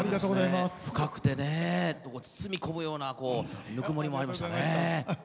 深く、包み込むようなぬくもりもありましたね。